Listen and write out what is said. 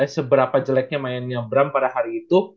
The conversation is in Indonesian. seberapa jeleknya mainnya bram pada hari itu